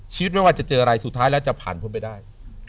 ไม่ว่าจะเจออะไรสุดท้ายแล้วจะผ่านพ้นไปได้